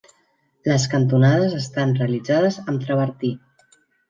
Les cantonades estan realitzades amb travertí.